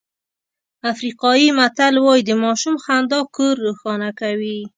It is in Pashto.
افریقایي متل وایي د ماشوم خندا کور روښانه کوي.